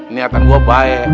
niatan gua apa ae